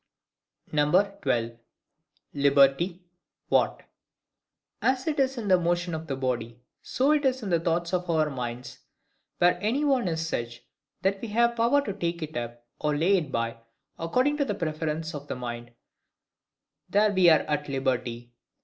12. Liberty, what. As it is in the motions of the body, so it is in the thoughts of our minds: where any one is such, that we have power to take it up, or lay it by, according to the preference of the mind, there we are at liberty.